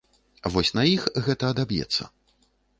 Вось на іх гэта адаб'ецца.